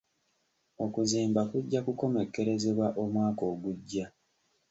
Okuzimba kujja kukomekkerezebwa omwaka ogujja.